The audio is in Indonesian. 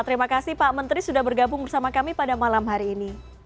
terima kasih pak menteri sudah bergabung bersama kami pada malam hari ini